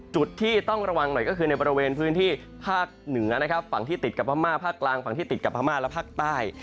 จุดที่ต้องระวังหน่อยก็คือในบริเวณพื้นที่ภาคเหนือนะครับฝั่งที่ติดกับพม่าภาคกลางฝั่งที่ติดกับพม่าและภาคใต้